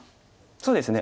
そうですね